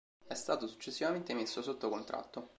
È stato successivamente messo sotto contratto.